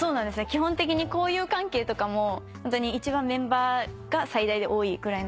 基本的に交友関係とかも一番メンバーが最大で多いぐらいなので。